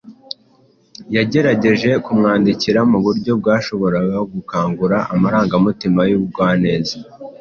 Yagerageje kumwandikira mu buryo bwashoboraga gukangura amarangamutima y’ubugwaneza